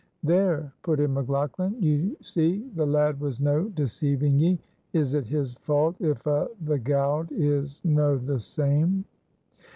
"There," put in McLaughlan, "ye see the lad was no deceiving ye; is it his fault if a' the gowd is no the same?"